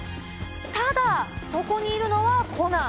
ただ、そこにいるのはコナン。